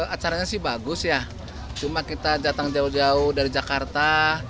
acaranya sih bagus ya cuma kita datang jauh jauh dari jakarta